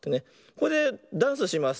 これでダンスします。